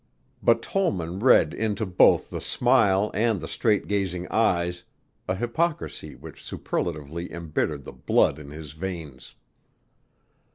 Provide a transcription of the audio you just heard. But Tollman read into both the smile and the straight gazing eyes a hypocrisy which superlatively embittered the blood in his veins.